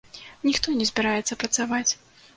Ніхто не збіраецца працаваць.